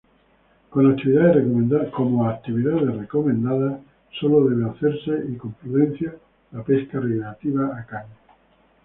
Como actividades recomendadas, solo debe hacerse, y con prudencia, la pesca recreativa a caña.